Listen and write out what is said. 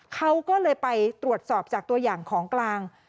เขาก็เลยไปตรวจสอบจากตัวอย่างของกลาง